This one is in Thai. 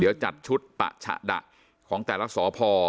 เดี๋ยวจัดชุดปะฉะดะของแต่ละสพ